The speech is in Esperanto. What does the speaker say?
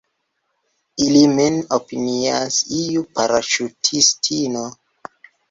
Ili min opinias iu paraŝutistino.